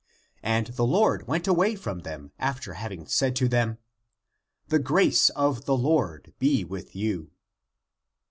And the Lord went away from them, after having said to them : "the grace of the Lord be with you!"